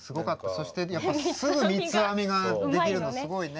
そしてやっぱすぐ三つ編みができるのすごいね。